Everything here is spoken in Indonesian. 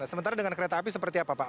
sementara dengan kereta api seperti apa pak